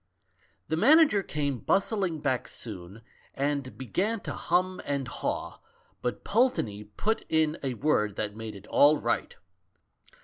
"The manager came bustling back soon, and began to hum and haw, but Pulteney put in a word that made it all right.